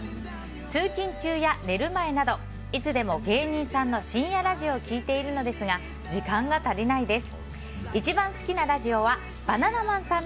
通勤中や寝る前などいつでも芸人さんの深夜ラジオを聴いているのですが時間が足りないです。